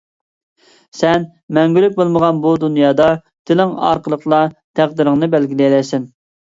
سەن مەڭگۈلۈك بولمىغان بۇ دۇنيادا تىلىڭ ئارقىلىقلا تەقدىرىڭنى بەلگىلىيەلەيسەن.